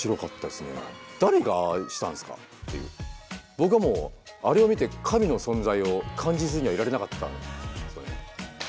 僕はもうあれを見て神の存在を感じずにはいられなかったんですよね。